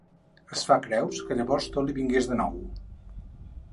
Es fa creus que llavors tot li vingués de nou.